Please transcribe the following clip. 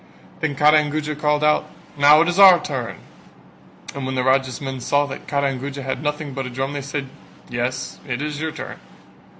Then Kara and Guja called out "Now it is our turn!" And when the Raja's men saw that Kara and Guja had nothing but a drum they said "Yes, it is your turn."